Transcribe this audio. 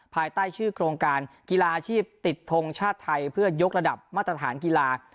ภายใต้ชื่อโครงการกีฬาอาชีพติดทงชาติไทยเพื่อยกระดับมาตรฐานกีฬา